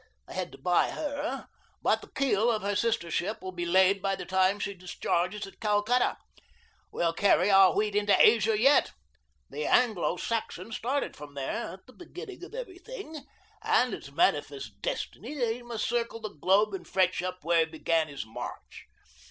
I had to buy HER, but the keel of her sister ship will be laid by the time she discharges at Calcutta. We'll carry our wheat into Asia yet. The Anglo Saxon started from there at the beginning of everything and it's manifest destiny that he must circle the globe and fetch up where he began his march.